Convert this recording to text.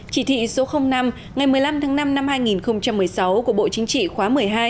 chỉ thị số năm ngày một mươi năm tháng năm năm hai nghìn một mươi sáu của bộ chính trị khóa một mươi hai